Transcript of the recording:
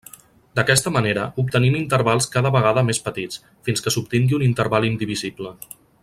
D'aquesta manera obtenim intervals cada vegada més petits, fins que s'obtingui un interval indivisible.